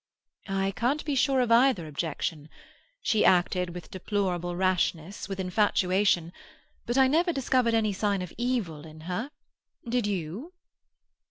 "I can't be sure of either objection. She acted with deplorable rashness, with infatuation, but I never discovered any sign of evil in her. Did you?"